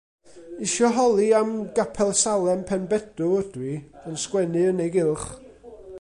Isio holi am Gapel Salem, Penbedw ydw i; yn sgwennu yn ei gylch.